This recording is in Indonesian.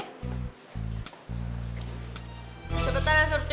sebentar ya surti